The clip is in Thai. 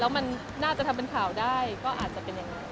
แล้วมันน่าจะทำเป็นข่าวได้ก็อาจจะเป็นอย่างนั้น